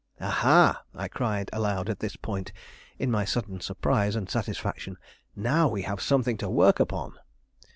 "Ah, ha!" I cried aloud at this point, in my sudden surprise and satisfaction; "now we have something to work upon!"